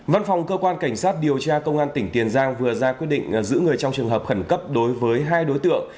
văn phòng cơ quan cảnh sát điều tra công an tỉnh tiền giang vừa ra quyết định giữ người trong trường hợp khẩn cấp đối với hai đối tượng